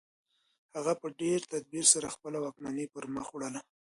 هغه په ډېر تدبیر سره خپله واکمني پرمخ وړله.